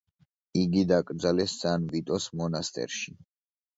იგი დაკრძალეს სან ვიტოს მონასტერში.